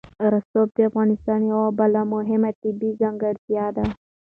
رسوب د افغانستان یوه بله مهمه طبیعي ځانګړتیا ده.